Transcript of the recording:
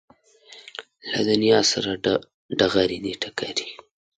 له دنیا سره ډغرې دي ټکرې